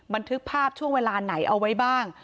บันทึกภาพช่วงเวลาไหนเอาไว้บ้าง